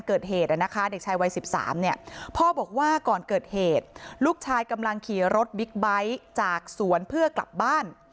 เกิดเหตุนะคะเด็กชายวัย๑๓เนี่ยพ่อบอกว่าก่อนเกิดเหตุลูกชายกำลังขี่รถบิ๊กไบท์จากสวนเพื่อกลับบ้าน